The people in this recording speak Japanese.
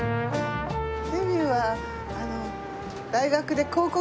デビューはあの。